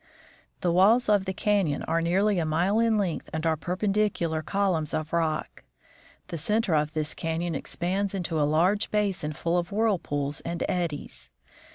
The walls of the canon are nearly a mile in length and are perpendicular columns of rock. The center of .this canon expands into a large basin full of whirlpools and eddies.